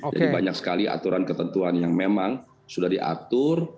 jadi banyak sekali aturan ketentuan yang memang sudah diatur